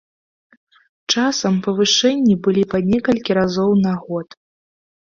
Часам павышэнні былі па некалькі разоў на год.